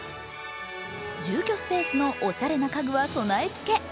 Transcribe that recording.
住居スペースのおしゃれな家具は備え付け。